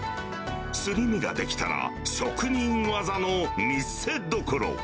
すり身が出来たら、職人技の見せどころ。